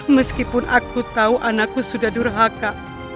meskipun aku tahu anakku sudah durhaka